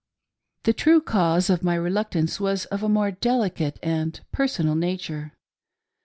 The true cause of my reluctance was of a more delicate and personal nature.